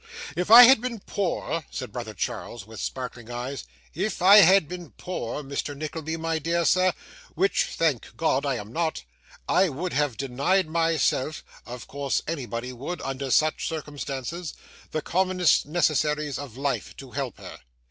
'If I had been poor,' said brother Charles, with sparkling eyes; 'if I had been poor, Mr. Nickleby, my dear sir, which thank God I am not, I would have denied myself (of course anybody would under such circumstances) the commonest necessaries of life, to help her.